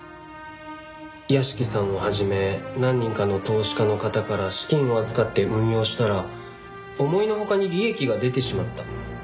屋敷さんを始め何人かの投資家の方から資金を預かって運用したら思いのほかに利益が出てしまった。